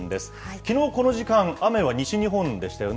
きのう、この時間、雨は西日本でしたよね。